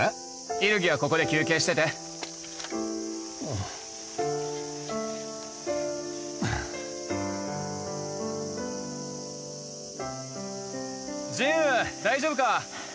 イルギはここで休憩しててジンウ大丈夫か？